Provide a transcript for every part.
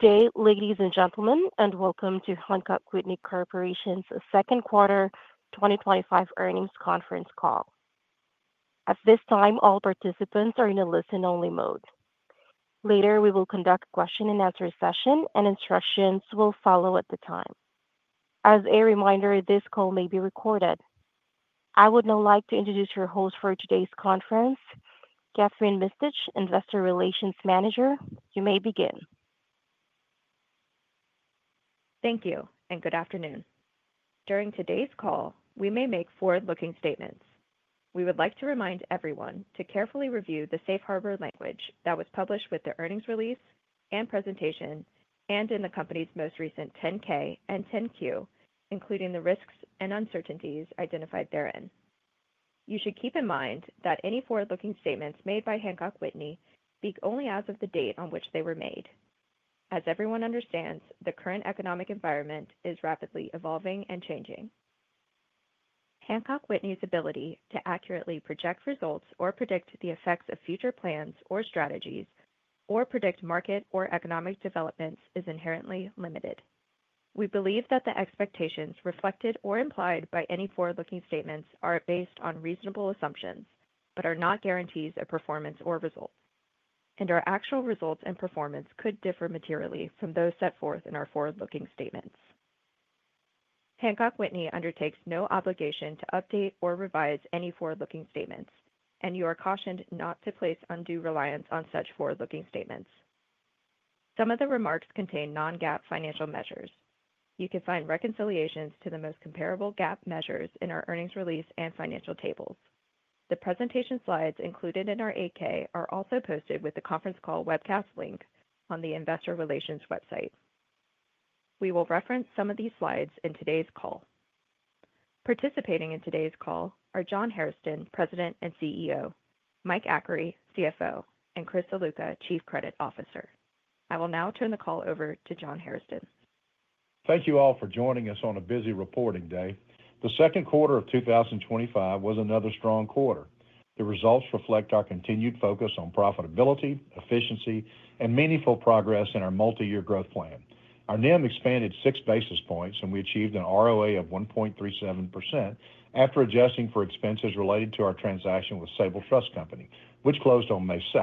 Good day, ladies and gentlemen, and welcome to Hancock Whitney Corporation's second quarter 2025 earnings conference call. At this time, all participants are in a listen-only mode. Later, we will conduct a question and answer session, and instructions will follow at that time. As a reminder, this call may be recorded. I would now like to introduce your host for today's conference, Kathryn Mistich, Investor Relations Manager. You may begin. Thank you, and good afternoon. During today's call, we may make forward-looking statements. We would like to remind everyone to carefully review the safe harbor language that was published with the earnings release and presentation and in the company's most recent 10-K and 10-Q, including the risks and uncertainties identified therein. You should keep in mind that any forward-looking statements made by Hancock Whitney speak only as of the date on which they were made. As everyone understands, the current economic environment is rapidly evolving and changing. Hancock Whitney's ability to accurately project results or predict the effects of future plans or strategies, or predict market or economic developments, is inherently limited. We believe that the expectations reflected or implied by any forward-looking statements are based on reasonable assumptions but are not guarantees of performance or results, and our actual results and performance could differ materially from those set forth in our forward-looking statements. Hancock Whitney undertakes no obligation to update or revise any forward-looking statements, and you are cautioned not to place undue reliance on such forward-looking statements. Some of the remarks contain non-GAAP financial measures. You can find reconciliations to the most comparable GAAP measures in our earnings release and financial tables. The presentation slides included in our 8-K are also posted with the conference call webcast link on the Investor Relations website. We will reference some of these slides in today's call. Participating in today's call are John Hairston, President and CEO; Michael Achary, CFO and Chris Ziluca, Chief Credit Officer. I will now turn the call over to John Hairston. Thank you all for joining us on a busy reporting day. The second quarter of 2025 was another strong quarter. The results reflect our continued focus on profitability, efficiency, and meaningful progress in our multi-year growth plan. Our NIM expanded 6 basis points, and we achieved an ROA of 1.37% after adjusting for expenses related to our transaction Sabal Trust Company, which closed on May 2.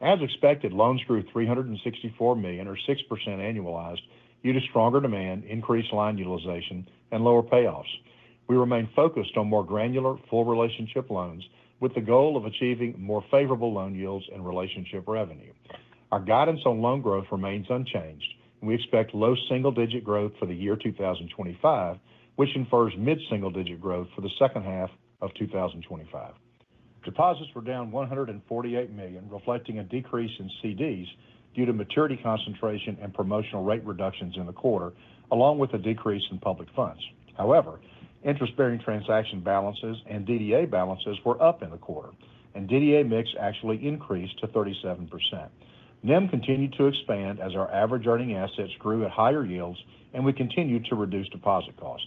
As expected, loans grew $364 million or 6% annualized due to stronger demand, increased line utilization, and lower payoffs. We remain focused on more granular full relationship loans with the goal of achieving more favorable loan yields and relationship revenue. Our guidance on loan growth remains unchanged, and we expect low single-digit growth for the year 2025, which infers mid single-digit growth for the second half of 2025. Deposits were down $148 million, reflecting a decrease in CDs due to maturity concentration and promotional rate reductions in the quarter, along with a decrease in public funds. However, interest-bearing transaction balances and DDA balances were up in the quarter, and DDA mix actually increased to 37%. NIM continued to expand as our average earning assets grew at higher yields, and we continued to reduce deposit cost.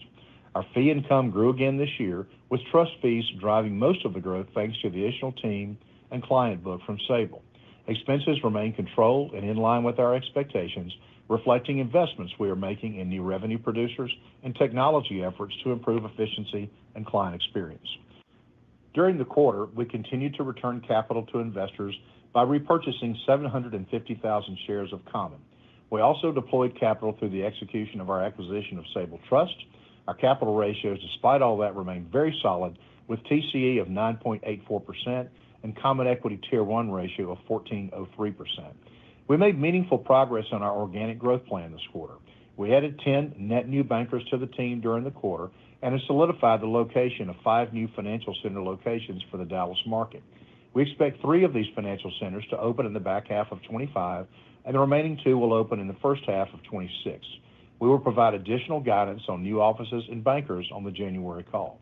Our fee income grew again this year with trust fees driving most of the growth. Thanks to the additional team and client book from Sabal, expenses remain controlled and in line with our expectations, reflecting investments we are making in new revenue producers and technology efforts to improve efficiency and client experience. During the quarter, we continued to return capital to investors by repurchasing 750,000 shares of common. We also deployed capital through the execution of our acquisition of Sabal Trust. Our capital ratios, despite all that, remain very solid with TCE of 9.84% and CET1 ratio of 14.03%. We made meaningful progress on our organic growth plan this quarter. We added 10 net new bankers to the team during the quarter, and it solidified the location of five new financial center locations for the Dallas market. We expect three of these financial centers to open in the back half of 2025, and the remaining two will open in first half in 26. We will provide additional guidance on new offices and bankers on the January call.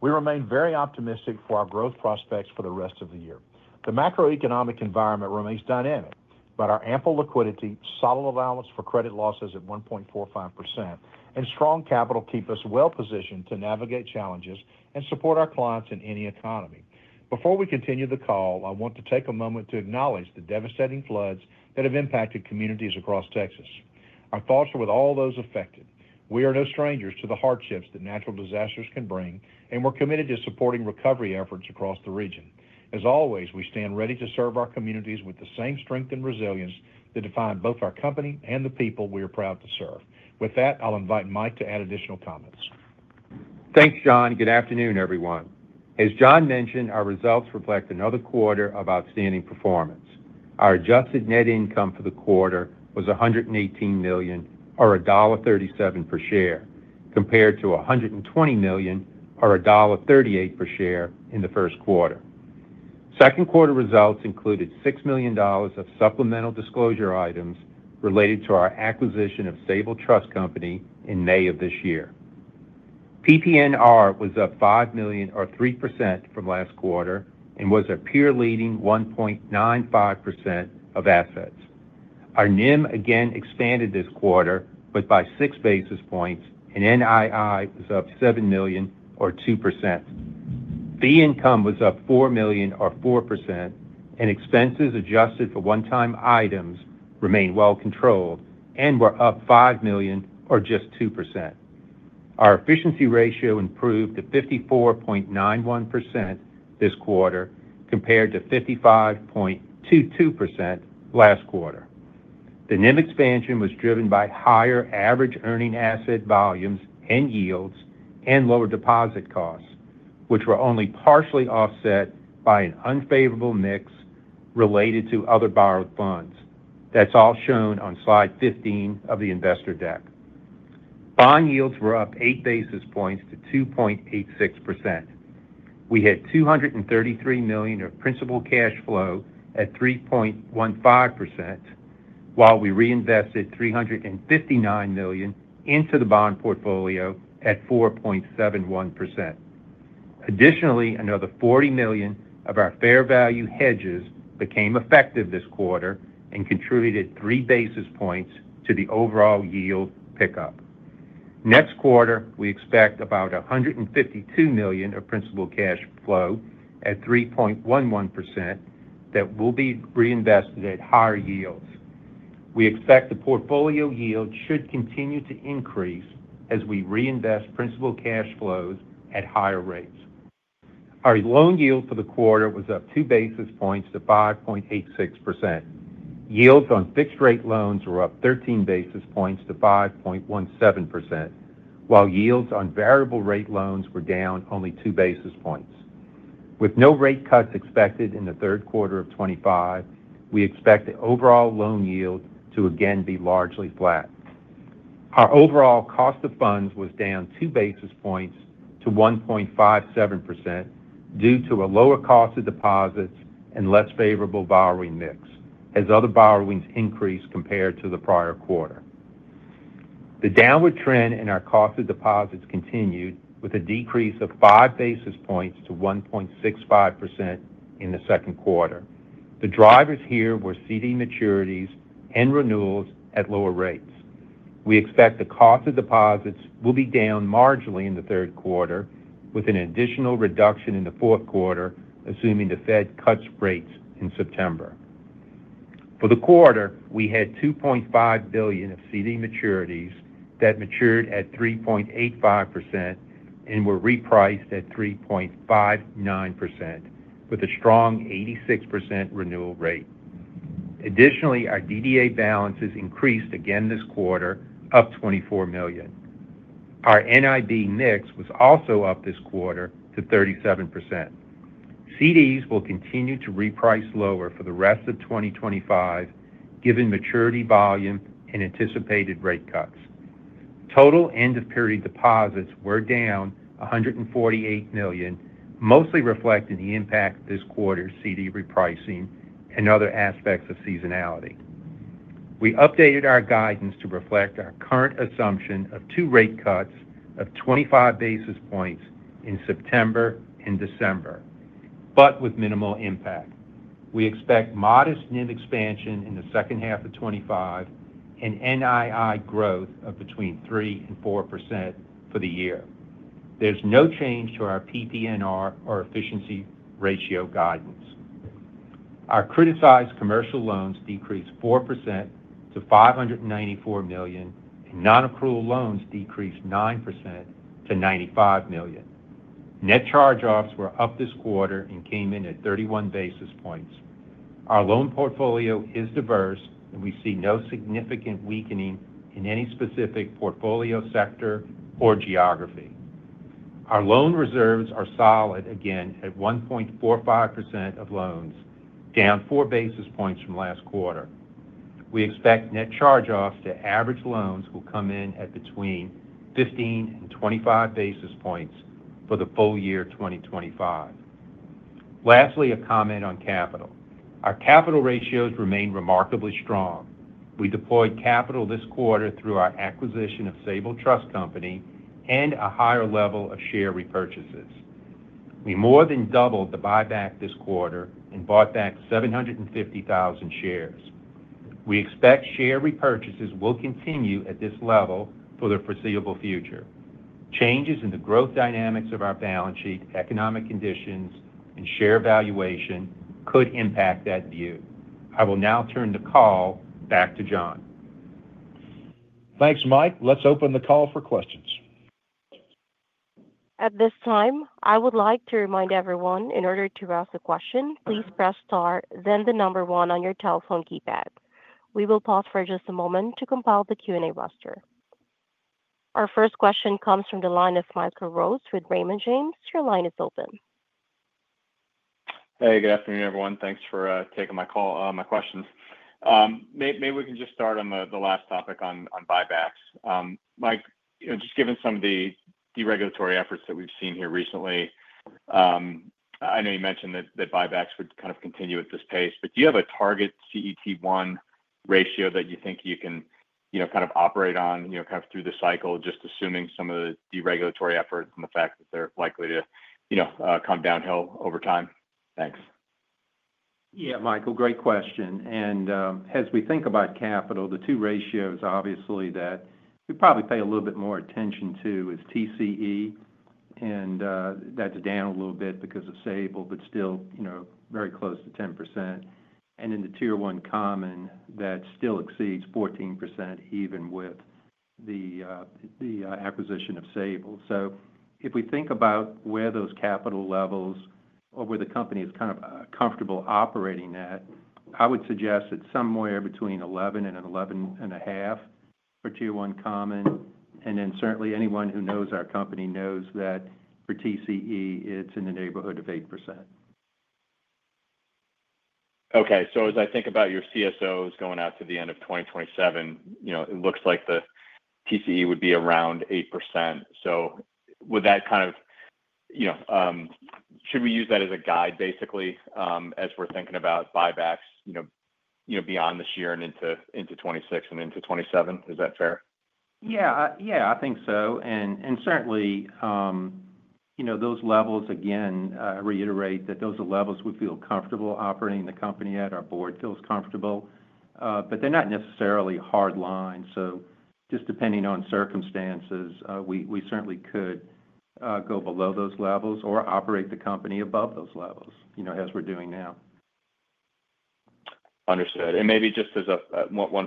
We remain very optimistic for our growth prospects for the rest of the year. The macroeconomic environment remains dynamic, but our ample liquidity, solid allowance for credit losses at 1.45% and strong capital keep us well positioned to navigate challenges and support our clients in any economy. Before we continue the call, I want to take a moment to acknowledge the devastating floods that have impacted communities across Texas. Our thoughts are with all those affected. We are no strangers to the hardships that natural disasters can bring, and we're committed to supporting recovery efforts across the region. As always, we stand ready to serve our communities with the same strength and resilience that define both our company and the people we are proud to serve. With that, I'll invite Michael Achary to add additional comments. Thanks, John. Good afternoon, everyone. As John mentioned, our results reflect another quarter of outstanding performance. Performance. Our adjusted net income for the quarter was $118 million or $1.37 per share, compared to $120 million or $1.38 per share in the first quarter. Second quarter results included $6 million of supplemental disclosure items related to our acquisition of Sabal Trust Company in May of this year. PPNR was up $5 million or 3% from last quarter and was a peer leading 1.95% of assets. Our NIM again expanded this quarter, but by six basis points, and NII was up $7 million or 2%. Fee income was up $4 million or 4%, and expenses adjusted for one-time items remain well controlled and were up $5 million or just 2%. Our efficiency ratio improved to 54.91% this quarter compared to 55.22% last quarter. The NIM expansion was driven by higher average earning asset volumes and yields and lower deposit costs, which were only partially offset by an unfavorable mix related to other borrowed funds. That's all shown on slide 15 of the investor deck. Bond yields were up eight basis points to 2.86%. We had $233 million of principal cash flow at 3.15% while we reinvested $359 million into the bond portfolio at 4.71%. Additionally, another $40 million of our fair value hedges became effective this quarter and contributed three basis points to the overall yield pickup. Next quarter we expect about $152 million of principal cash flow at 3.11% that will be reinvested at higher yields. We expect the portfolio yield should continue to increase as we reinvest principal cash flows at higher rates. Our loan yield for the quarter was up two basis points to 5.86%. Yields on fixed rate loans were up 13 basis points to 5.17% while yields on variable rate loans were down only two basis points. With no rate cuts expected in 3Q25, we expect the overall loan yield to again be largely flat. Our overall cost of funds was down two basis points to 1.57% due to a lower cost of deposits and less favorable borrowing mix as other borrowings increased compared to the prior quarter. The downward trend in our cost of deposits continued with a decrease of five basis points to 1.65% in the second quarter. The drivers here were CD maturities and renewals at lower rates. We expect the cost of deposits would be down marginally in the third quarter with an additional reduction in the fourth quarter, assuming the Fed cuts rates in September. For the quarter, we had $2.5 billion of CD maturities that matured at 3.85% and were repriced at 3.59% with a strong 86% renewal rate. Additionally, our DDA balances increased again this quarter, up $24 million. Our NIB mix was also up this quarter to 37%. CDs will continue to reprice lower for the rest of 2025 given maturity, volume, and anticipated rate cuts. Total end of period deposits were down $148 million, mostly reflecting the impact this quarter, CD repricing, and other aspects of seasonality. We updated our guidance to reflect our current assumption of two rate cuts of 25 basis points in September and December, but with minimal impact. We expect modest NIM expansion in 2H25 and NII growth of between 3% and 4% for the year. There's no change to our PPNR or efficiency ratio guidance. Our criticized commercial loans decreased 4% to $594 million and nonaccrual loans decreased 9% to $95 million. Net charge-offs were up this quarter and came in at 31 basis points. Our loan portfolio is diverse and we see no significant weakening in any specific portfolio sector or geography. Our loan reserves are solid again at 1.45% of loans, down four basis points from last quarter. We expect net charge-offs to average loans will come in at between 15 and 25 basis points for the full year 2025. Lastly, a comment on capital. Our capital ratios remain remarkably strong. We deployed capital this quarter through our acquisition of Sabal Trust Company and a higher level of share repurchases. We more than doubled the buyback this quarter and bought back 750,000 shares. We expect share repurchases will continue at this level for the foreseeable future. Changes in the growth dynamics of our balance sheet, economic conditions, and share valuation could impact that view. I will now turn the call back to John. Thanks, Mike. Let's open the call for questions. At this time I would like to remind everyone in order to ask the question, please press star then the number one on your telephone keypad. We will pause for just a moment to compile the Q&A roster. Our first question comes from the line of Michael Rose with Raymond James. Your line is open. Hey, good afternoon everyone. Thanks for taking my call. My questions, maybe we can just start on the last topic on buybacks. Mike, just given some of the deregulatory efforts that we've seen here recently, I know you mentioned that buybacks would kind. Continue at this pace, but do. You have a target CET1 ratio that you think you can kind of operate on through the cycle? Just assuming some of the deregulatory efforts and the fact that they're likely to come downhill over time. Thanks. Yeah, Michael, great question. As we think about capital, the two ratios, obviously, that we probably pay a little bit more attention to are TCE, and that's down a little bit because of Sabal, but still, you know, very close to 10%. In the Tier 1 Common, that still exceeds 14%, even with the acquisition of Sabal. If we think about where those capital levels or where the company is kind of comfortable operating at, I would suggest that somewhere between 11% and 11.5% for Tier 1 Common. Certainly, anyone who knows our company knows that for TCE, it's in the neighborhood of 8%. Okay. As I think about your CSOs going out to the end of 2027, it looks like the TCE would be around 8%. Would that, should we use that as a guide basically as we're thinking about buybacks beyond this year and into 2026 and into 2027? Is that fair? Yeah, I think so. Certainly, those levels, again, reiterate that those are levels we feel comfortable operating the company at. Our board feels comfortable, but they're not necessarily hard lines. Depending on circumstances, we certainly could go below those levels or operate the company above those levels, as we're doing now. Understood. Maybe just as a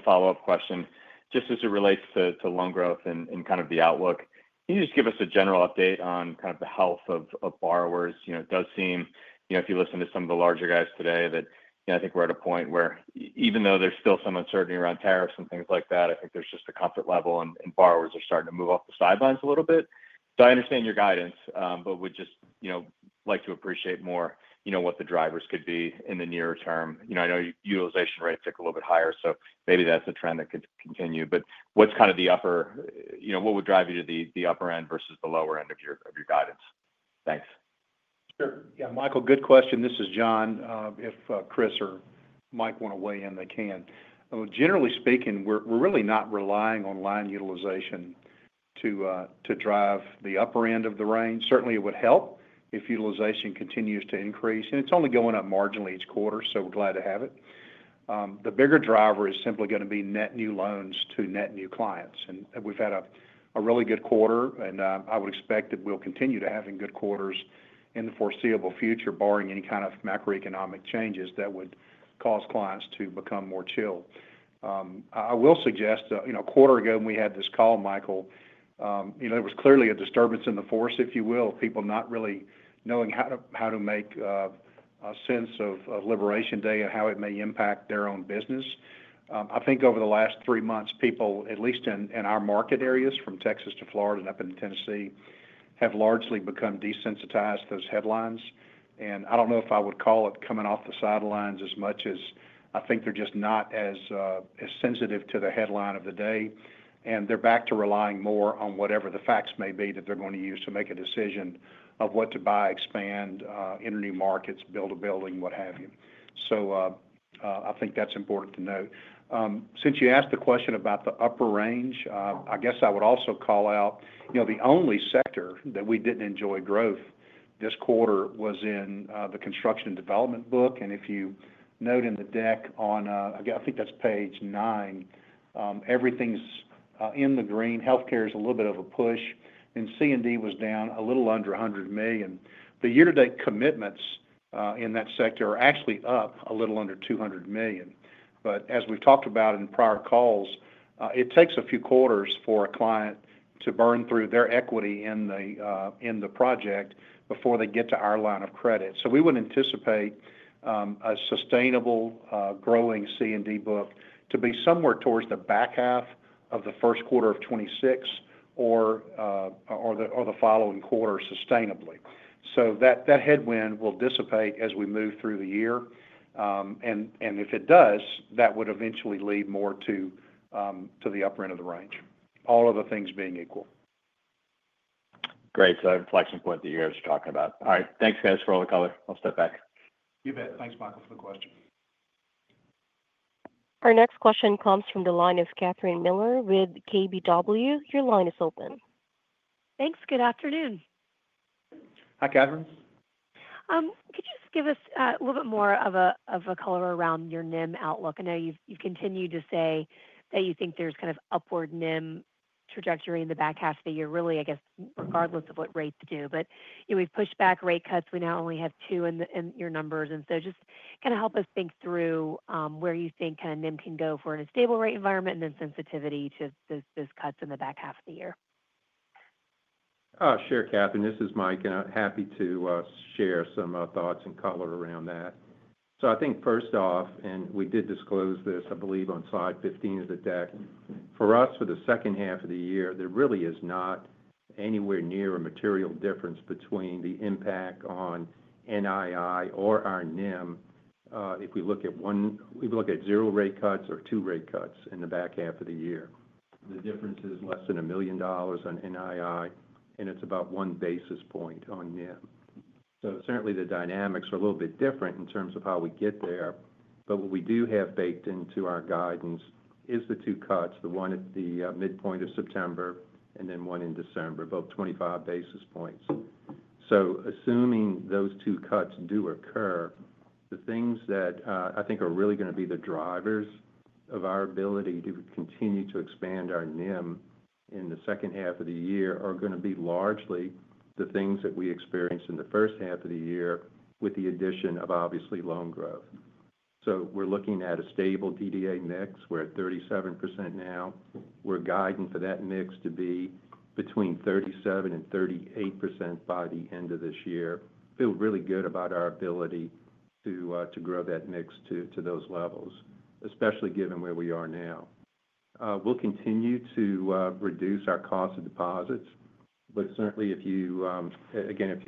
follow up question, just as it relates to loan growth and kind of the outlook. Can you just give us a general. Update on kind of the health of borrowers? It does seem, if you listen to some of the larger guys today, that I think we're at a point where even though there's still some uncertainty around tariffs and things like that, I think there's just a comfort level and borrowers are starting to move off the sidelines a little bit. I understand your guidance, but would just like to appreciate more what the drivers could be in the near term. I know utilization rates ticked a little bit higher, so maybe that's a trend that could continue. What's kind of the upper, what would drive you to the upper end versus the lower end of your guidance? Thanks. Sure. Yeah. Michael, good question. This is John. If Chris or Mike want to weigh in, they can. Generally speaking, we're really not relying on line utilization to drive the upper end of the range. Certainly, it would help if utilization continues to increase and it's only going up marginally each quarter. We're glad to have it. The bigger driver is simply going to be net new loans to net new clients, and we've had a really good quarter. I would expect that we'll continue to have good quarters in the foreseeable future, barring any kind of macroeconomic changes that would cause clients to become more chill. I will suggest, a quarter ago when we had this call, Michael, it was clearly a disturbance in the force, if you will, people not really knowing how to make sense of Liberation Day and how it may impact their own business. I think over the last three months, people, at least in our market areas from Texas to Florida and up in Tennessee, have largely become desensitized. Those headlines, and I don't know if I would call it coming off the sidelines as much as I think they're just not as sensitive to the headline of the day, and they're back to relying more on whatever the facts may be that they're going to use to make a decision of what to buy, expand, enter new markets, build a building, what have you. I think that's important to note, since you asked the question about the upper range. I guess I would also call out, the only sector that we didn't enjoy growth this quarter was in the construction development book. If you note in the deck on, I think that's page nine, everything's in the green. Healthcare is a little bit of a push, and C and D was down a little under $100 million year to date. Commitments in that sector are actually up a little under $200 million. As we talked about in prior calls, it takes a few quarters for a client to burn through their equity in the project before they get to our line of credit. We would anticipate a sustainable growing C and D book to be somewhere towards the back half of 1Q2026 or the following quarter sustainably. That headwind will dissipate as we move through the year. If it does, that would eventually lead more to the upper end of the range, all other things being equal. Great. Inflection point that you guys are talking about. All right, thanks, guys, for all the color. I'll step back. You bet. Thanks, Michael, for the question. Our next question comes from the line of Catherine Mealor with KBW. Your line is open. Thanks. Good afternoon. Hi, Catherine. Could you just give us a little bit more color around your NIM outlook? I know you've continued to say that you think there's kind of upward NIM trajectory in the back half of the year, really, I guess, regardless of what rates do. We've pushed back rate cuts. We now only have two in your numbers. Just kind of help us think through where you think kind of NIM can go for in a stable rate environment and then sensitivity to things, those cuts in the back half of the year. Sure. Catherine, this is Mike, and I'm happy to share some thoughts and color around that. I think first off, and we did disclose this, I believe, on Slide 15 of the deck for us for the second half of the year, there really is not anywhere near a material difference between the impact on NII or our NIM. If we look at one, if we look at zero rate cuts or two rate cuts in the back half of the year, the difference is less than $1 million on NII, and it's about one basis point on NIM. Certainly the dynamics are a little bit different in terms of how we get there. What we do have baked into our guidance is the two cuts, the one at the midpoint of September and then one in December, both 25 basis points. Assuming those two cuts do occur, the things that I think are really going to be the drivers of our ability to continue to expand our NIM in the second half of the year are going to be largely the things that we experience in the first half of the year with the addition of, obviously, loan growth. We're looking at a stable DDA mix. We're at 37% now. We're guiding for that mix to be between 37% and 38% by the end of this year. Feel really good about our ability to grow that mix to those levels, especially given where we are now. We'll continue to reduce our cost of deposits. If you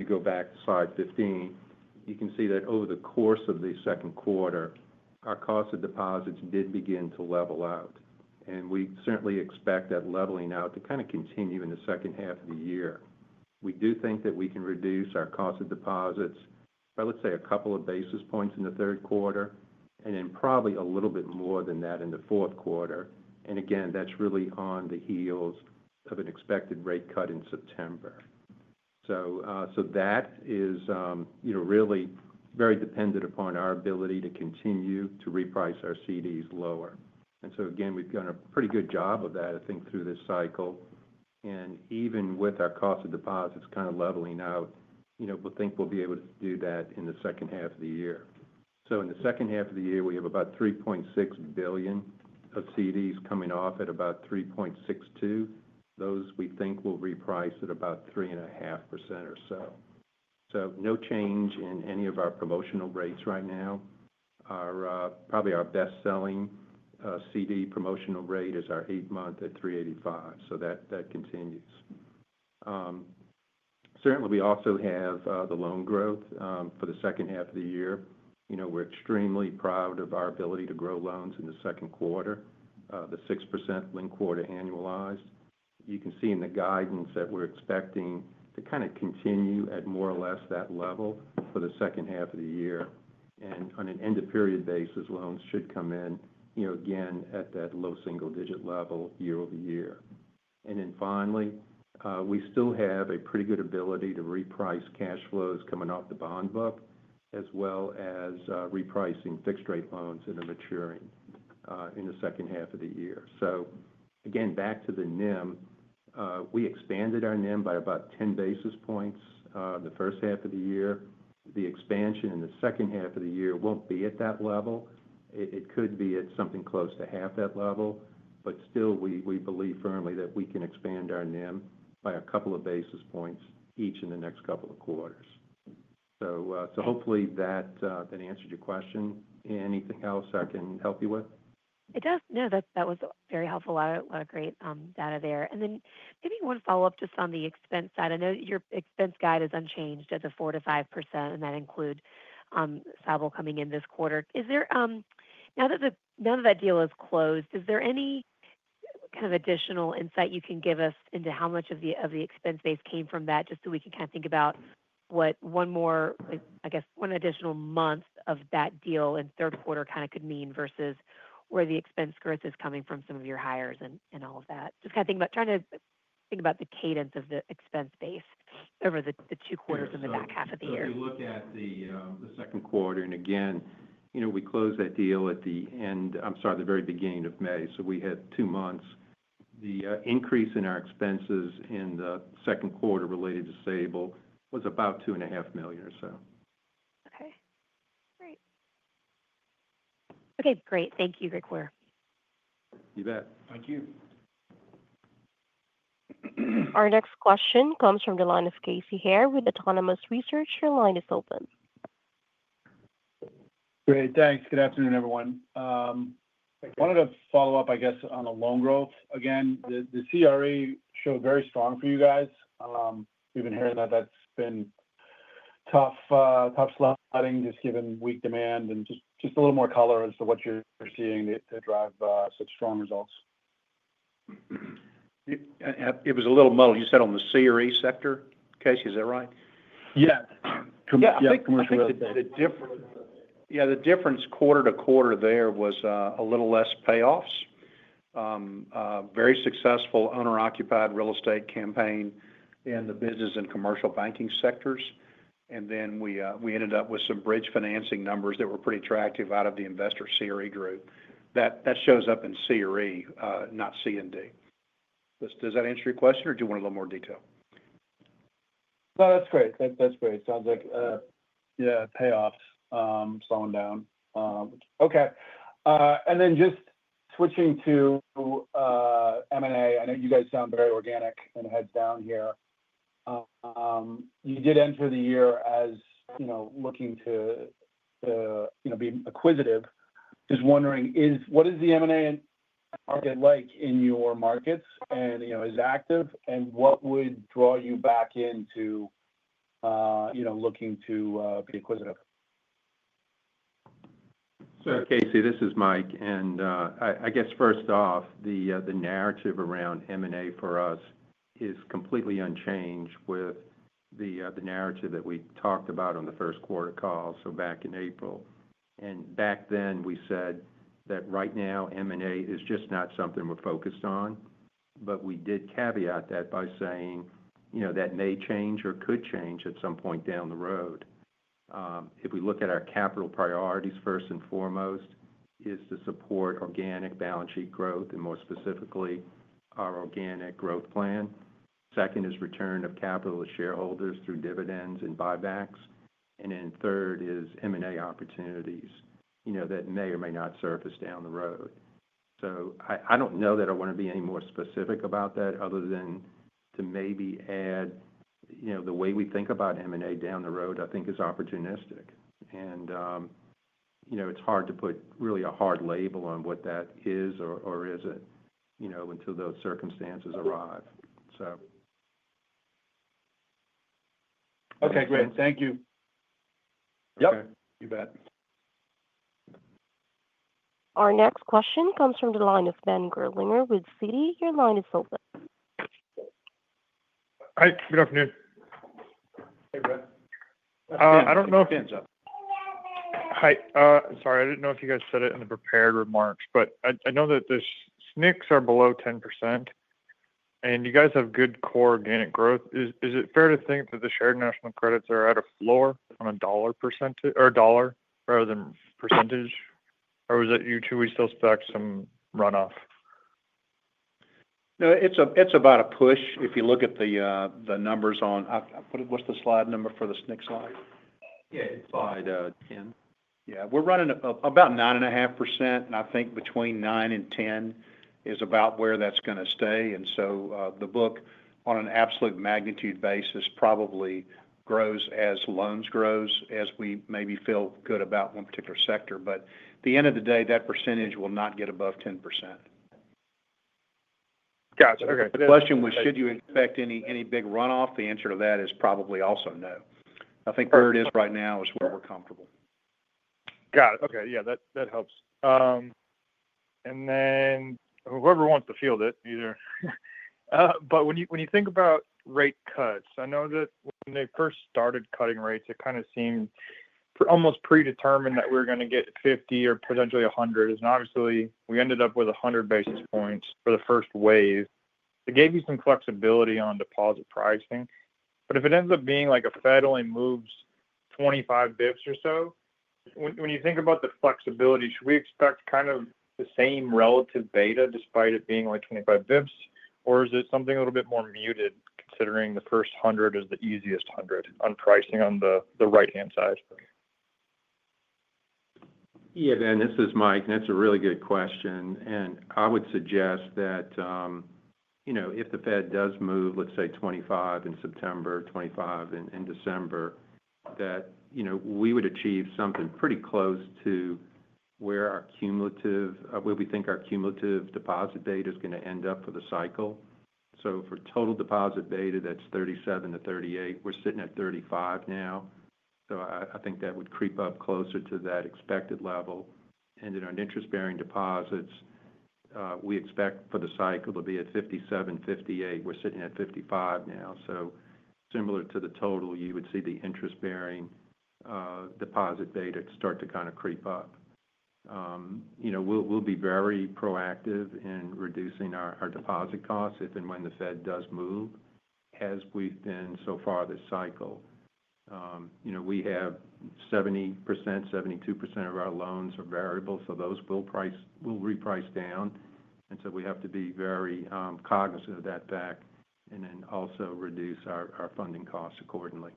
go back to Slide 15, you can see that over the course of the second quarter, our cost of deposits did begin to level out. We certainly expect that leveling out to kind of continue in the second half of the year. We do think that we can reduce our cost of deposits by, let's say, a couple of basis points in the third quarter and then probably a little bit more than that in the fourth quarter. That's really on the heels of an expected rate cut in September. That is really very dependent upon our ability to continue to reprice our CDs lower. We've done a pretty good job of that, I think, through this cycle. Even with our cost of deposits kind of leveling out, we think we'll be able to do that in the second half of the year. In the second half of the year we have about $3.6 billion of CDs coming off at about 3.62%. Those we think will reprice at about 3.5% or so. No change in any of our promotional rates right now. Probably our best selling CD promotional rate is our eight month at 3.85%. That continues. We also have the loan growth for the second half of the year. We're extremely proud of our ability to grow loans in the second quarter. The 6% link quarter annualized. You can see in the guidance that we're expecting to kind of continue at more or less that level for the second half of the year. On an end of period basis, loans should come in, you know, again at that low single digit level year over year. Finally, we still have a. Pretty good ability to reprice cash flows. Coming off the bond book as well as repricing fixed rate loans that are maturing in the second half of the year. Again, back to the NIM. We expanded our NIM by about 10 basis points the first half of the year. The expansion in the second half of the year won't be at that level. It could be at something close to half that level, but still we believe firmly that we can expand our NIM by a couple of basis points each in the next couple of quarters. Hopefully that answered your question. Anything else I can help you with? It does. No, that was very helpful. A lot of great data there. Maybe one follow up, just on the expense side. I know your expenses unchanged at the 4 to 5%. That includes Sabal coming in this quarter. Now that the deal is closed, is there any kind of additional insight you can give us into how much of the expense base came from that? Just so we can kind of think about what one more, I guess one additional month of that deal in third quarter could mean versus where the expense growth is coming from, some of your hires and all of that. Just kind of thinking about trying to think about the cadence of the expense base over the two quarters in the back half of the year. You look at the second quarter and again, we closed that deal at the very beginning of May. We had two months. The increase in our expenses in the second quarter related to Sabal was about $2.5 million or so. Okay, great. Thank you. Michael You bet. Thank you. Our next question comes from the line of Casey Haire with Autonomous Research. Your line is open. Great, thanks. Good afternoon everyone. Wanted to follow up, I guess, on the loan growth again. The CRE showed very strong for you guys. We've been hearing that that's been tough, tough sledding just given weak demand and just a little more color as to what you're seeing to drive such strong results. It was a little muddled. You said on the CRE sector, Casey, is that right? Yeah. The difference, quarter to quarter, there was a little less payoffs, a very successful owner occupied real estate campaign in the business and commercial banking sectors. We ended up with some bridge financing numbers that were pretty attractive out of the investor CRE Group that shows up in CRE, not C&D. Does that answer your question or do you want a little more detail? No, that's great. That's great. Sounds like. Yeah. Payoffs slowing down. Okay. Just switching to M&A, I know you guys sound very organic and heads down here. You did enter the year as, you know, looking to be acquisitive. Just wondering what is the M&A market like in your markets and is active and what would draw you back into looking to be acquisitive. Casey, this is Mike. The narrative around M&A for us is completely unchanged with the narrative that we talked about on the first quarter call. Back in April and back then we said that right now M&A is just not something we're focused on. We did caveat that by saying that may change or could change at some point down the road. If we look at our capital priorities, first and foremost is to support organic balance sheet growth and more specifically our organic growth plan. Second is return of capital to shareholders through dividends and buybacks. Third is M&A opportunities that may or may not surface down the road. I don't know that I want to be any more specific about that other than to maybe add the way we think about M&A down the road is opportunistic. It's hard to put really a hard label on what that is until those circumstances arrive. Okay, great. Thank you. Yep, you bet. Our next question comes from the line of Ben Gerlinger with Citi. Your line is open. Hi, good afternoon. Hey, Ben. I don't know. Hi. Sorry. I didn't know if you guys said it in the prepared remarks, but I know that the SNCs are below 10% and you guys have good core organic growth. Is it fair to think that the shared national credits are at a floor on a dollar percentage or dollar rather than percentage, or is it you two? We still expect some runoff? No, it's about a push. If you look at the numbers on. What's the slide number for this next slide? Yeah, it's slide 10. Yeah, we're running about 9.5% and I think between 9% and 10% is about where that's going to stay. The book on an absolute magnitude basis probably grows as loans grow, as we maybe feel good about one particular sector. At the end of the day that percentage will not get above 10%. Gotcha. Okay. The question was, should you expect any big runoff? The answer to that is probably also no. I think where it is right now is where we're comfortable. Got it. Okay, yeah, that helps. When you think about rate cuts, I know that when they first started cutting rates, it kind of seemed almost predetermined that we were going to get 50 or potentially 100. Obviously, we ended up with 100 basis points for the first wave. It gave you some flexibility on deposit pricing, but if it ends up being like if the Fed only moves 25 bps or so, when you think about the flexibility, should we expect kind of the same relative beta despite it being like 25 bps, or is it something a little bit more muted considering the first 100 is the easiest 100 on pricing on the right-hand side? Ben, this is Mike and that's a really good question. I would suggest that, you know, if the Fed does move, let's say 25 in September, 25 in December, that, you know, we would achieve something pretty close to where our cumulative, where we think our cumulative deposit beta is going to end up for the cycle. For total deposit beta, that's 37% to 38%, we're sitting at 35% now. I think that would creep up closer to that expected level. On interest bearing deposits, we expect for the cycle to be at 57%, 58%. We're sitting at 55% now. Similar to the total, you would see the interest bearing deposit beta start to kind of creep up. You know, we'll be very proactive in reducing our deposit costs if and when the Fed does move, as we've been so far this cycle. We have 70%, 72% of our loans are variable, so those will reprice down. We have to be very cognizant of that fact and then also reduce our funding costs accordingly.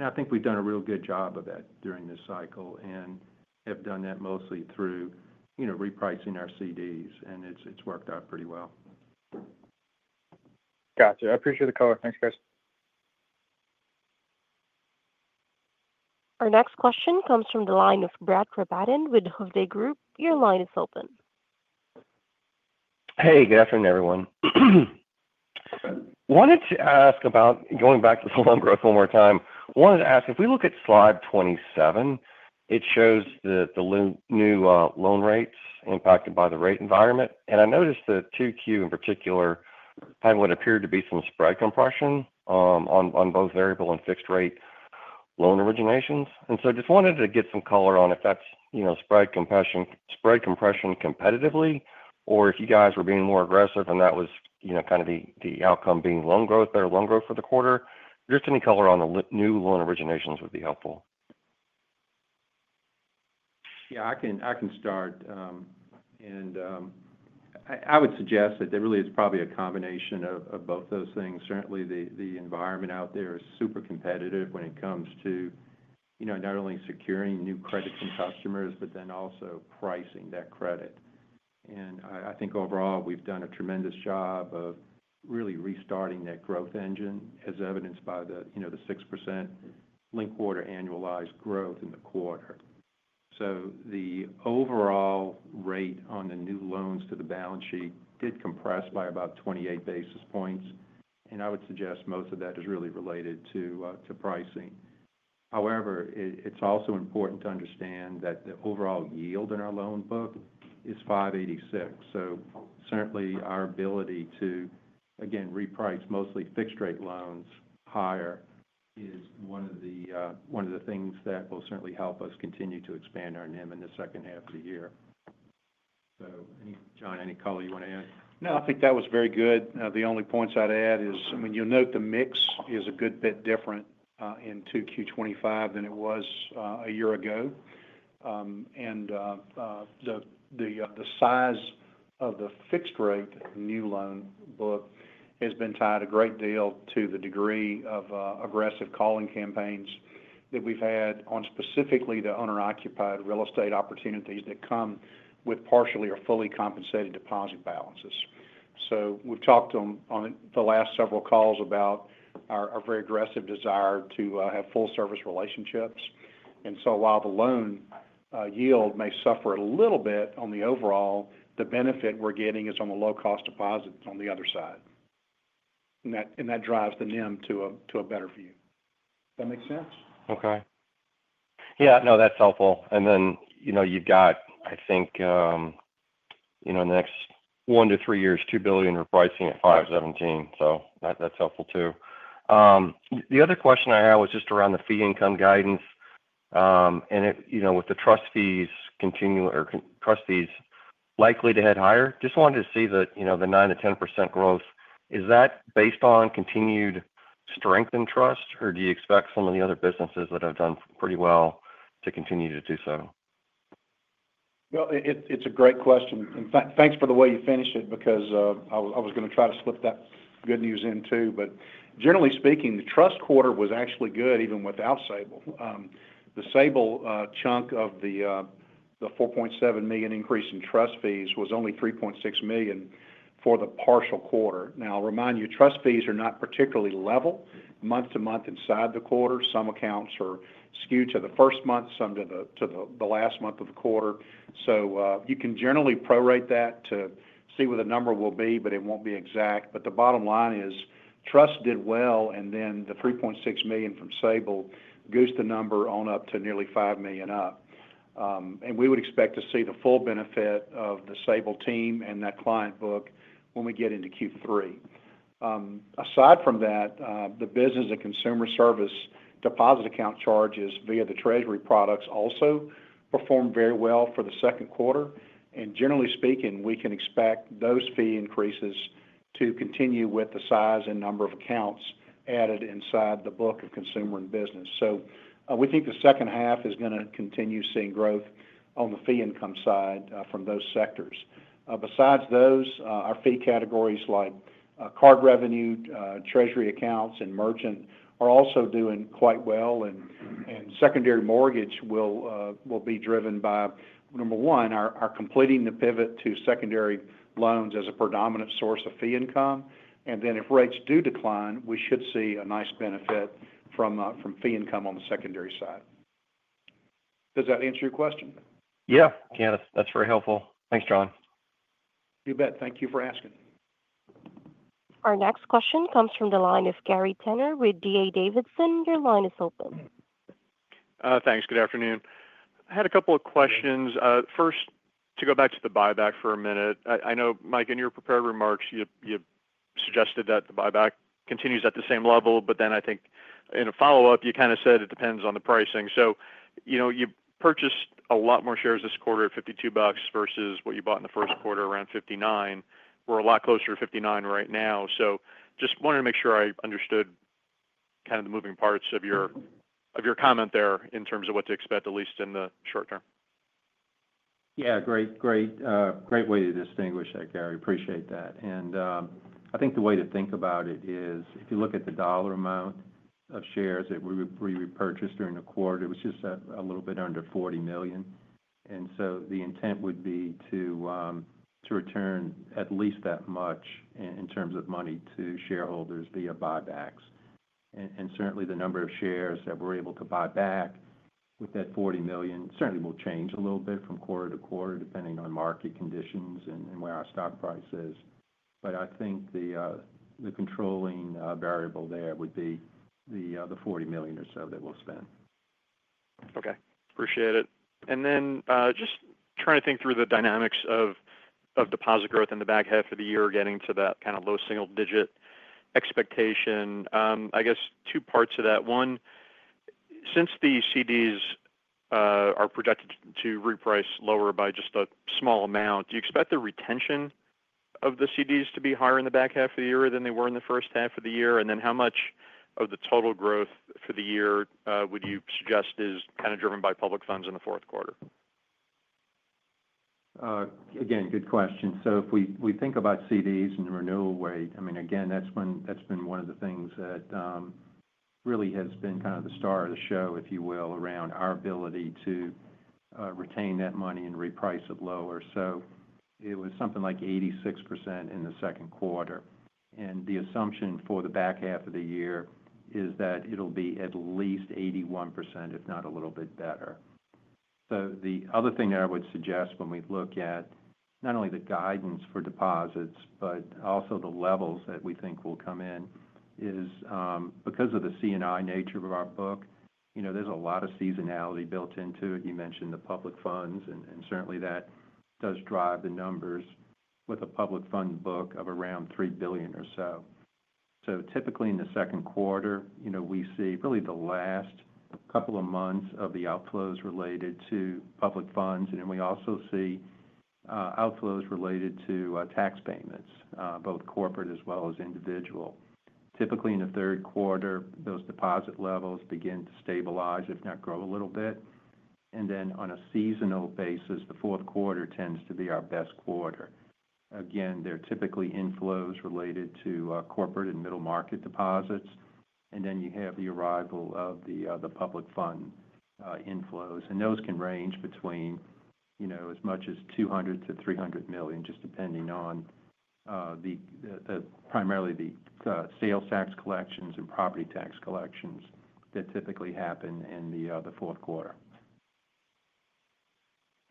I think we've done a real good job of that during this cycle and have done that mostly through repricing our CDs and it's worked out pretty well. Gotcha. I appreciate the color. Thanks, Chris. Our next question comes from the line of Brett Rabatin with Hovde Group. Your line is open. Hey, good afternoon everyone. Wanted to ask about going back to. The loan growth one more time. Wanted to ask if we look at slide 27, it shows the new loan rates impacted by the rate environment. I noticed that 2Q in particular had what appeared to be some spread compression on both variable and fixed rate loan originations. I just wanted to get some color on if that's, you know, spread compression competitively or if you guys were being more aggressive and that was, you know, kind of the outcome being loan. Growth, better loan growth for the quarter. Just any color on the new loan originations would be helpful. I can start. I would suggest that there really is probably a combination of both those things. Certainly the environment out there is super competitive when it comes to, you know, not only securing new credit from customers, but also pricing that credit. I think overall we've done a tremendous job of really restarting that growth engine as evidenced by the 6% link quarter annualized growth in the quarter. The overall rate on the new loans to the balance sheet did compress by about 28 basis points. I would suggest most of that is really related to pricing. However, it's also important to understand that the overall yield in our loan book is 5.86%. Certainly our ability to again reprice mostly fixed rate loans higher is one of the things that will certainly help us continue to expand our NIM in the second half of the year. John, any color you want to add? No, I think that was very good. The only points I'd add is when you note the mix is a good bit different in Q2 2025 than it was a year ago. The size of the fixed rate new loan book has been tied a great deal to the degree of aggressive calling campaigns that we've had on specifically the owner occupied real estate opportunities that come with partially or fully compensated deposit balances. We've talked on the last several calls about our very aggressive desire to have full service relationships. While the loan yield may suffer a little bit on the overall, the benefit we're getting is on the low cost deposit on the other side, and that drives the NIM to a better view. That makes sense. Okay, yeah, no, that's helpful. You know, you've got, I think, next one to three years, $2 billion repricing at 5.17%. That's helpful too. The other question I had was just Around the fee income guidance, with the trust fees continuing or trust fees likely to head higher, just wanted to see that the 9 to 10% growth, is that based on continued strength in trust or do you expect some of the other businesses that have done pretty well to continue to do so? It's a great question. Thanks for the way you finished it because I was going to try to slip that good news in too. Generally speaking, the trust quarter was actually good. Even without Sabal. The Sabal chunk of the $4.7 million increase in trust fees was only $3.6 million for the partial quarter. Now I'll remind you, trust fees are not particularly level month to month inside the quarter. Some accounts are skewed to the first month, some to the last month of the quarter. You can generally prorate that to see what the number will be, but it won't be exact. The bottom line is trust did well. The $3.6 million from Sabal goose the number on up to nearly $5 million up. We would expect to see the full benefit of the Sabal team and that client book when we get into Q3. Aside from that, the business and consumer service deposit account charges via the treasury products also performed very well for the second quarter. Generally speaking, we can expect those fee increases to continue with the size and number of accounts added inside the book of consumer and business. We think the second half is going to continue seeing growth on the fee income side from those sectors. Besides those, our fee categories like card revenue, treasury accounts, and merchant are also doing quite well. Secondary mortgage will be driven by, number one, our completing the pivot to secondary loans as a predominant source of fee income. If rates do decline, we should see a nice benefit from fee income on the secondary side. Does that answer your question? Yeah. Yeah, that's very helpful. Thanks, John. You bet. Thank you for asking. Our next question comes from the line of Gary Tenner with D.A. Davidson. Your line is open. Thanks. Good afternoon. I had a couple of questions. First, to go back to the buyback for a minute. I know Mike, in your prepared remarks you suggested that the buyback continues at the same level. I think in a follow-up you kind of said it depends on the pricing. You purchased a lot more shares this quarter at $52 versus what you bought in the first quarter, around $59. We're a lot closer to $59 right now. I just wanted to make sure I understood the moving parts of your comment there in terms of what to expect, at least in the short term. Great way to distinguish that, Gary. Appreciate that. I think the way to think about it is if you look at the dollar amount of shares that we repurchased during the quarter, it was just a little bit under $40 million. The intent would be to return at least that much in terms of money to shareholders via buybacks. Certainly the number of shares that we're able to buy back with that $40 million will change a little bit from quarter to quarter depending on market conditions and where our stock price is. I think the controlling variable there would be the $40 million or so that we'll spend. Okay, appreciate it. Just trying to think through the dynamics of deposit growth in the back half of the year, getting to that kind of low single digit expectation, I guess two parts of that. One, since the CDs are projected to reprice lower by just a small amount, do you expect the retention of the CDs to be higher in the back half of the year than they were in the first half of the year? How much of the total growth for the year would you suggest is kind of driven by public funds in the fourth quarter? Again, good question. If we think about CDs and the renewal rate, that's been one of the things that really has been kind of the star of the show, if you will, around our ability to retain that money and reprice it lower. It was something like 86% in the second quarter. The assumption for the back half of the year is that it'll be at least 81%, if not a little bit better. The other thing that I would suggest when we look at not only the guidance for deposits but also the levels that we think will come in is because of the C&I nature of our book, there's a lot of seasonality built into it. You mentioned the public funds and certainly that does drive the numbers with a public fund book of around $3 billion or so. Typically in the second quarter, we see really the last couple of months of the outflows related to public funds and then we also see outflows related to tax payments, both corporate as well as individual. Typically in the third quarter those deposit levels begin to stabilize, if not grow a little bit. On a seasonal basis, the fourth quarter tends to be our best quarter. There are typically inflows related to corporate and middle market deposits. Then you have the arrival of the public fund inflows. Those can range between as much as $200 million to $300 million, just depending on primarily the sales tax collections and property tax collections that typically happen in the fourth quarter.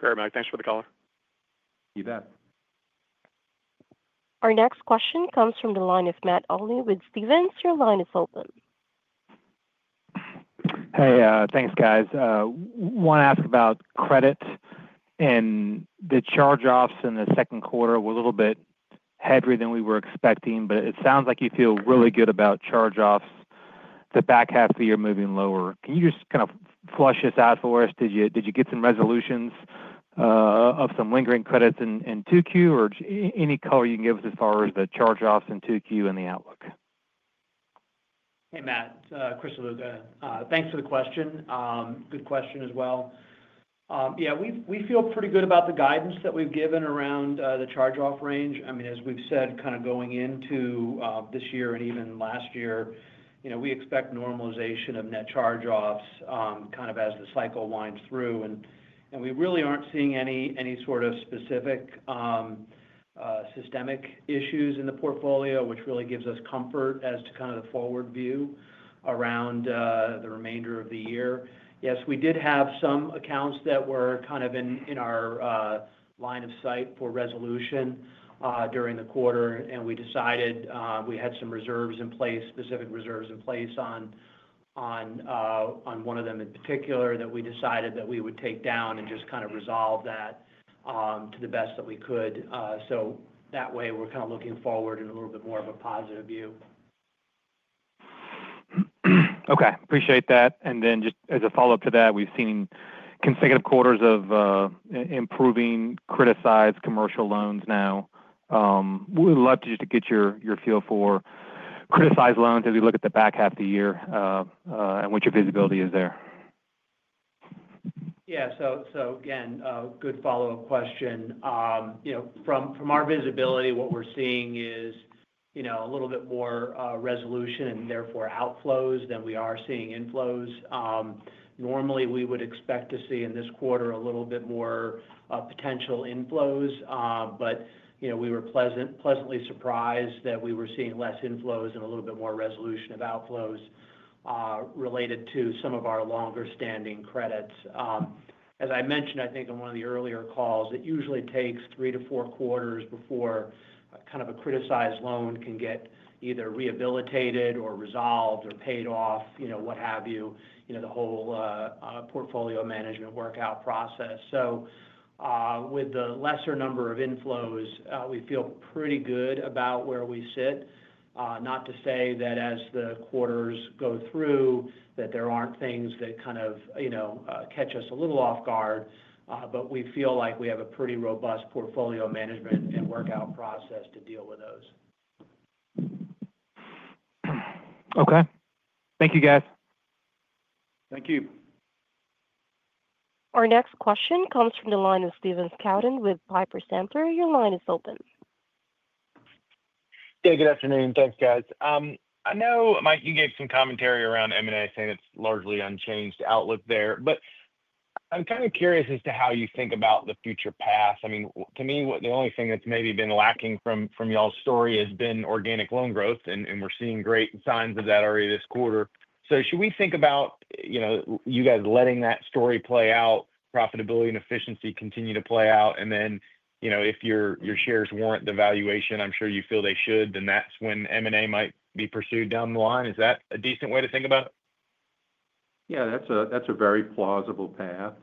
Thanks for the call. You bet. Our next question comes from the line of Matt Olney with Stephens. Your line is open. Hey, thanks guys. Want to ask about credit and the charge-offs in the second quarter were. A little bit heavier than we were expecting. It sounds like you feel really good about charge-offs the back half. Of the year moving lower. Can you just kind of flesh this out for us? Did you get some resolutions? Of some lingering credits in 2Q. Any color you can give us? As far as the charge-offs in 2Q and the outlook? Hey, Matt, Chris Ziluca, thanks for the question. Good question as well. Yeah, we feel pretty good about the guidance that we've given around the charge-off range. I mean, as we've said kind of going into this year and even last year, you know, we expect normalization of net charge-offs kind of as the cycle winds through, and we really aren't seeing any sort of specific systemic issues in the portfolio, which really gives us comfort as to kind of the forward view around the remainder of the year. Yes, we did have some accounts that were kind of in our line of sight for resolution during the quarter, and we decided we had some reserves in place, specific reserves in place on one of them in particular that we decided that we would take down and just kind of resolve that to the best that we could. That way we're kind of looking forward and looking at a bit more of a positive view. Okay, appreciate that. As a follow up to that, we've seen consecutive quarters of improving criticized commercial loans. We'd love just to get your feel for criticized loans as we look at the back half of the year. What your visibility is there. Yeah, so again, good follow-up question. From our visibility, what we're seeing is a little bit more resolution and therefore outflows than we are seeing inflows. Normally, we would expect to see in this quarter a little bit more potential inflows. We were pleasantly surprised that we were seeing less inflows and a little bit more resolution of outflows related to some of our longer-standing credits. As I mentioned, I think on one of the earlier calls, it usually takes three to four quarters before kind of a criticized loan can get either rehabilitated or resolved or paid off, you know, what have you, the whole portfolio management workout process. With the lesser number of inflows, we feel pretty good about where we sit. Not to say that as the quarters go through that there aren't things that kind of catch us a little off guard. We feel like we have a pretty robust portfolio management and workout process to deal with those. Okay, thank you guys. Thank you. Our next question comes from the line of Stephen Scouten with Piper Sandler. Your line is open. Good afternoon. Thanks guys. I know Mike, you gave some commentary around M&A saying it's largely unchanged outlook there. I'm kind of curious as to how you think about the future past. To me, the only thing that's maybe been lacking from y'all's story has been organic loan growth. We're seeing great signs of that already this quarter. Should we think about you guys letting that story play out, profitability and efficiency continue to play out, and then, if your shares warrant the valuation, I'm sure you feel they should, that's when M&A might be pursued down the line. Is that a decent way to think about it? Yeah, that's a very plausible path.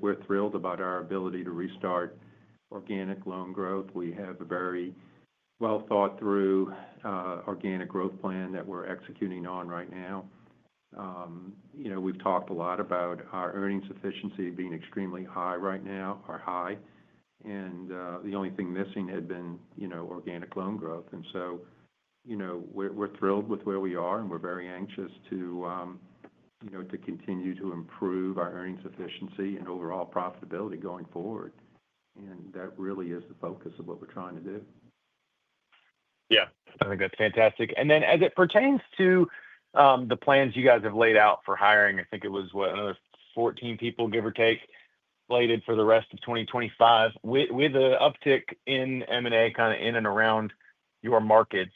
We're thrilled about our ability to restart organic loan growth. We have a very well thought through organic growth plan that we're executing on right now. We've talked a lot about our earnings efficiency being extremely high right now or high, and the only thing missing had been organic loan growth. We're thrilled with where we are and we're very anxious to continue to improve our earnings efficiency and overall profitability going forward. That really is the focus of what we're trying to do. Yeah, I think that's fantastic. As it pertains to the plans you guys have laid out for hiring, I think it was what, another 14 people, give or take, slated for the rest of 2025. With the uptick in M&A kind of in and around your markets,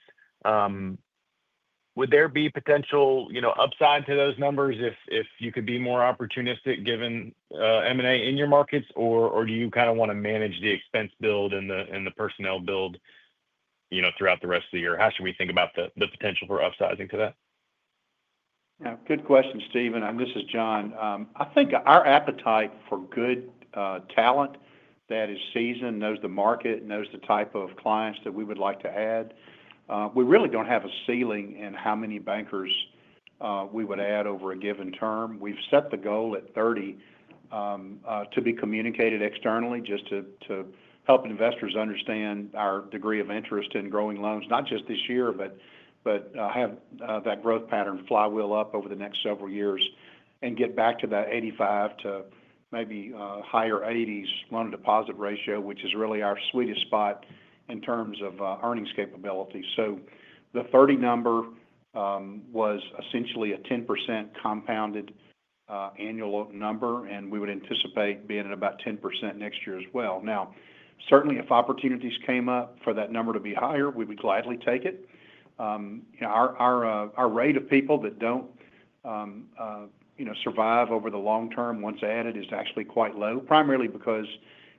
would there be potential upside to those numbers if you could be more opportunistic given M&A in your markets, or do you kind of want to manage the expense build and the personnel build throughout the rest of the year? How should we think about the potential? For upsizing to that? Good question, Stephen. This is John. I think our appetite for good talent that is seasoned, knows the market, knows the type of clients that we would like to add. We really don't have a ceiling in how many bankers we would add over a given term. We've set the goal at 30 to be communicated externally just to help investors understand our degree of interest in growing loans, not just this year but have that growth pattern flywheel up over the next several years and get back to that 85% to maybe higher 80s loan deposit ratio which is really our sweetest spot in terms of earnings capability. The 30 number was essentially a 10% compounded annual number and we would anticipate being at about 10% next year as well. Certainly if opportunities came up for that number to be higher, we would gladly take it. Our rate of people that don't survive over the long term, once added, is actually quite low primarily because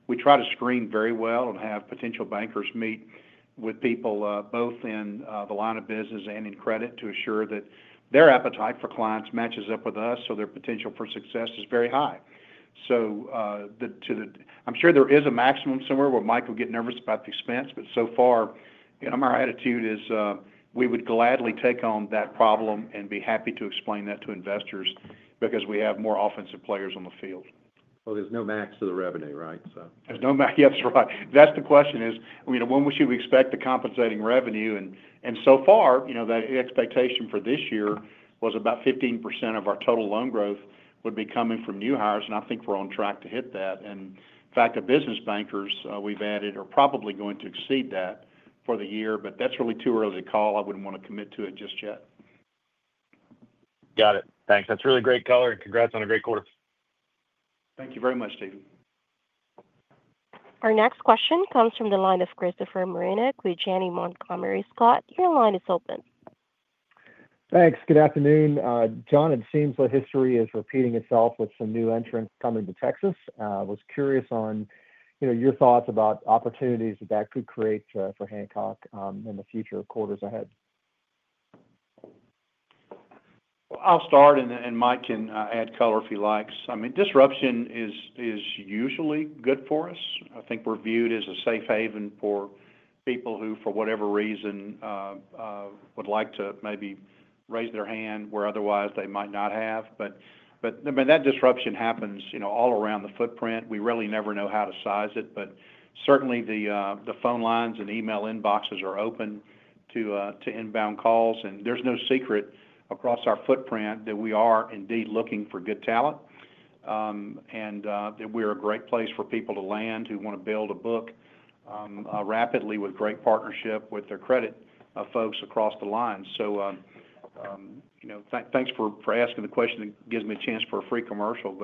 we try to screen very well and have potential bankers meet with people both in the line of business and in credit to assure that their appetite for clients matches up with us. Their potential for success is very high. I'm sure there is a maximum somewhere where Mike will get nervous about the expense. So far my attitude is we would gladly take on that problem and be happy to explain that to investors because we have more offensive players on the field. There is no max to the revenue, right? There's no max. Yes, right. That's the question, is when we should expect the compensating revenue. So far, that expectation for this year was about 15% of our total loan growth would be coming from new hires. I think we're on track to hit that. In fact, the business bankers we've added are probably going to exceed that for the year, but it's really too early to call. I wouldn't want to commit to it just yet. Got it. Thanks. That's really great color, and congrats on a great quarter. Thank you very much, Stephen. Our next question comes from the line of Christopher Marinac with Janney Montgomery Scott. Your line is open. Thanks. Good afternoon, John. It seems that history is repeating itself with some new entrants coming to Texas. I was curious on your thoughts about opportunities that could create for Hancock in the future quarters ahead. I'll start and Mike can add color if he likes. Disruption is usually good for us. I think we're viewed as a safe haven for people who for whatever reason would like to maybe raise their hand where otherwise they might not have. That disruption happens all around the footprint. We really never know how to size it. Certainly the phone lines and email inboxes are open to inbound calls. There's no secret across our footprint that we are indeed looking for good talent and we are a great place for people to land who want to build a book rapidly with great partnership with their credit folks across the line. Thanks for asking the question that gives me a chance for a free commercial.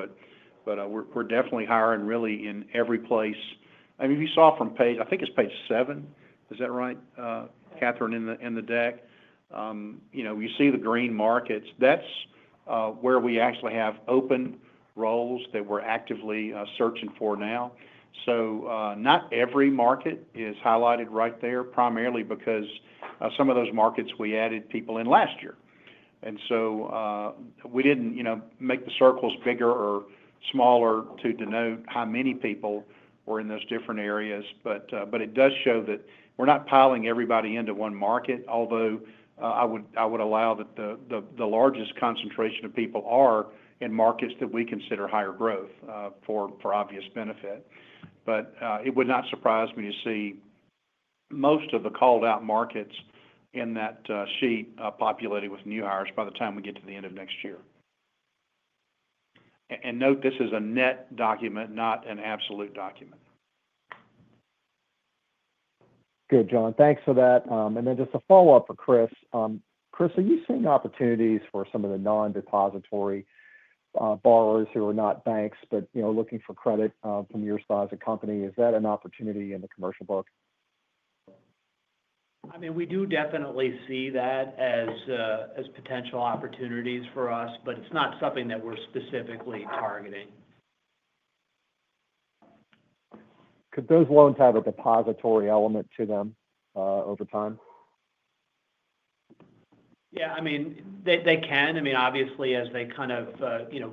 We're definitely hiring really in every place. If you saw from page, I think it's page seven, is that right, Kathryn? In the deck you see the green markets. That's where we actually have open roles that we're actively searching for now. Not every market is highlighted right there primarily because some of those markets we added people in last year and we didn't make the circles bigger or smaller to denote how many people were in those different areas. It does show that we're not piling everybody into one market. I would allow that the largest concentration of people are in markets that we consider higher growth for obvious benefit. It would not surprise me to see most of the called out markets in that sheet populated with new hires by the time we get to the end of next year. Note, this is a net document, not an absolute document. Good, John, thanks for that. Just a follow up for Chris. Chris, are you seeing opportunities for some of the non-depository borrowers who are not banks but looking for credit from your spouse company? Is that an opportunity in the commercial book? We do definitely see that as potential opportunities for us, but it's not something that we're specifically targeting. Could those loans have a depository element to them over time? Yeah, I mean they can, obviously as they kind of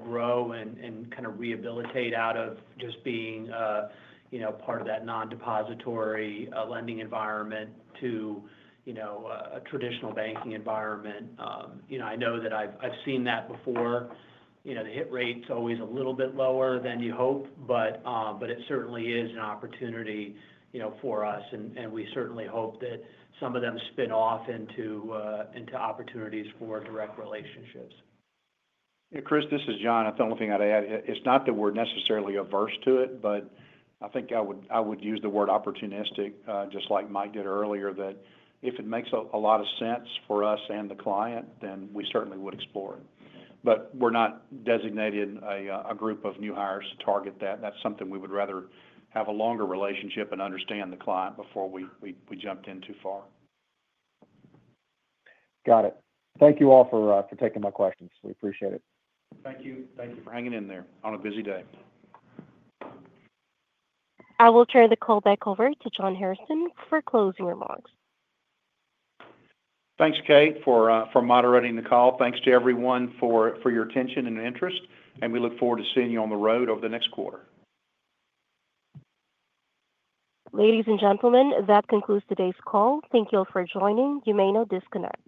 grow and rehabilitate out of just being part of that non-depository lending environment to a traditional banking environment. I know that I've seen that before. The hit rate's always a little bit lower than you hope, but it certainly is an opportunity for us and we certainly hope that some of them spin off into opportunities for direct relationships. Chris, this is John. The only thing I'd add, it's not that we're necessarily averse to it, but I think I would use the word opportunistic just like Mike did earlier. If it makes a lot of sense for us and the client, then we certainly would explore it. We're not designating a group of new hires to target that. That's something we would rather have a longer relationship and understand the client before we jumped in too far. Got it. Thank you all for taking my questions. We appreciate it. Thank you. Thank you for hanging in there on a busy day. I will turn the call back over to John Hairston for closing remarks. Thanks, Kate, for moderating the call. Thanks to everyone for your attention and interest. We look forward to seeing you on the road over the next quarter. Ladies and gentlemen, that concludes today's call. Thank you all for joining. You may now disconnect.